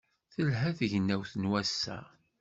Telha tegnawt n wass-a.